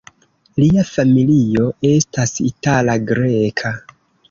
Lia familio estas itala-greka.